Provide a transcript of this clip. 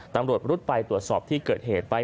ตำรวจรุดไปตรวจสอบที่เกิดเหตุไป